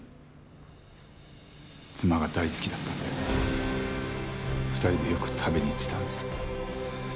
妻が大好きだったんで２人でよく食べに行ってたんです。